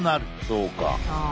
そうか。